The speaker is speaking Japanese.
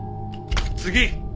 次！